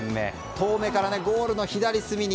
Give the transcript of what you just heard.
遠めからゴールの左隅に。